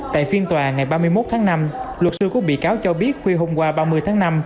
tại phiên tòa ngày ba mươi một tháng năm luật sư của bị cáo cho biết khuya hôm qua ba mươi tháng năm